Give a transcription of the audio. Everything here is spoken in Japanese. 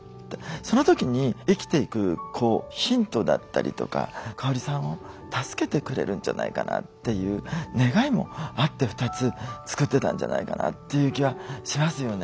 その時に生きていくこうヒントだったりとか香さんを助けてくれるんじゃないかなっていう願いもあって２つ作ってたんじゃないかなっていう気はしますよね。